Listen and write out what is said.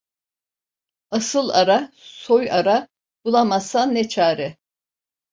Asıl ara, soy ara, bulamazsan ne çare.